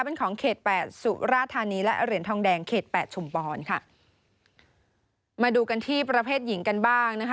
เป็นของเขตแปดสุราธานีและเหรียญทองแดงเขตแปดชุมพรค่ะมาดูกันที่ประเภทหญิงกันบ้างนะคะ